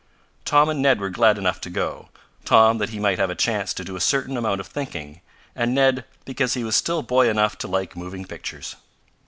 Tom and Ned were glad enough to go, Tom that he might have a chance to do a certain amount of thinking, and Ned because he was still boy enough to like moving pictures.